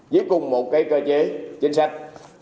với cùng một cơ chế chính sách